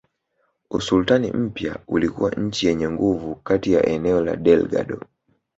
Usultani mpya ulikuwa nchi yenye nguvu kati ya eneo la Delgado